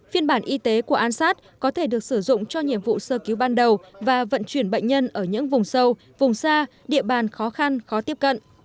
phiên bản y tế của an sát có thể được sử dụng cho nhiệm vụ sơ cứu ban đầu và vận chuyển bệnh nhân ở những vùng sâu vùng xa địa bàn khó khăn khó tiếp cận